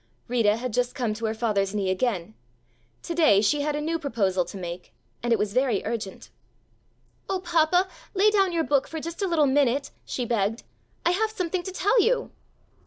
Rita had just come to her father's knee again. To day she had a new proposal to make and it was very urgent. "Oh, Papa, lay down your book for just a little minute," she begged, "I have something to tell you."